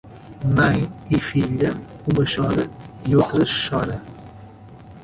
Mãe e filha, uma chora e a outra chora.